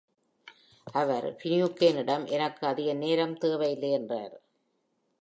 அவர் Finucane இடம், எனக்கு அதிக நேரம் தேவையில்லை என்றார்.